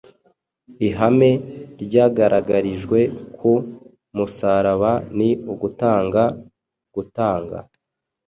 Ihame ryagaragarijwe ku musaraba ni ugutanga, gutanga.